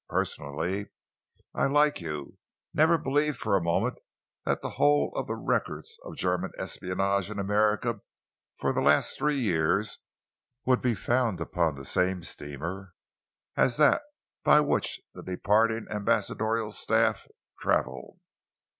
Personally, I, like you, never believed for a moment that the whole of the records of German espionage in America for the last three years, would be found upon the same steamer as that by which the departing ambassadorial staff travelled.